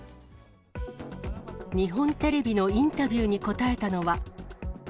日本テレビのインタビューに答えたのは。